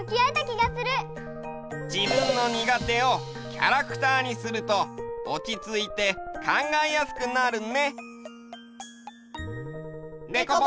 自分の苦手をキャラクターにするとおちついて考えやすくなるね！